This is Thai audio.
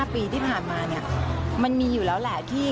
ปีที่ผ่านมาเนี่ยมันมีอยู่แล้วแหละ